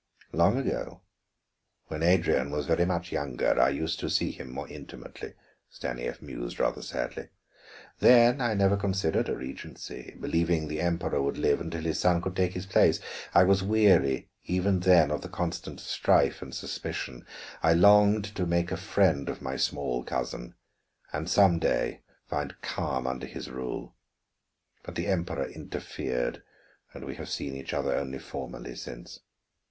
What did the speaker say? "Long ago, when Adrian was very much younger, I used to see him more intimately," Stanief mused rather sadly. "Then I never considered a regency, believing the Emperor would live until his son could take his place. I was weary even then of the constant strife and suspicion; I longed to make a friend of my small cousin and some day find calm under his rule. But the Emperor interfered, and we have seen each other only formally since.